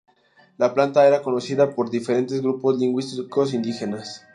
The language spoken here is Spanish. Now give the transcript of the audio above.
La planta era conocida por diferentes grupos lingüísticos indígenas.